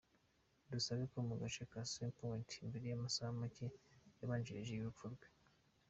Dusabe mu gace ka Sea Point, mbere y’amasaha make yabanjirije urupfu rwe.